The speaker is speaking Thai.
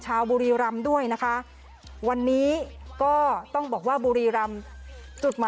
อ่าอ่าอ่าอ่าอ่า